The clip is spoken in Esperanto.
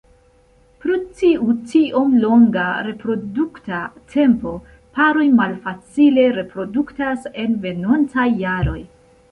Pro tiu tiom longa reprodukta tempo, paroj malfacile reproduktas en venontaj jaroj.